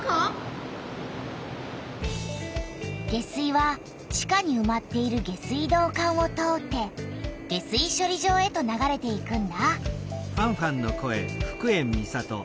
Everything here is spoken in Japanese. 下水は地下にうまっている下水道管を通って下水しょり場へと流れていくんだ。